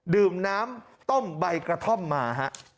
ดื่มน้ำต้มใบกระท่อมมาฮะ